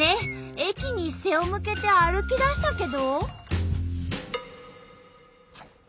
駅に背を向けて歩きだしたけど。